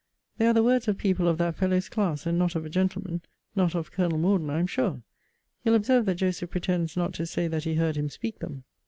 They are the words of people of that fellow's class, and not of a gentleman not of Colonel Morden, I am sure. You'll observe that Joseph pretends not to say that he heard him speak them.